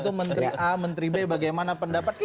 itu menteri a menteri b bagaimana pendapat